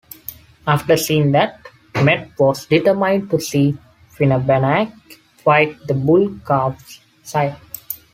After seeing that, Medb was determined to see Finnbhennach fight the bull-calf's sire.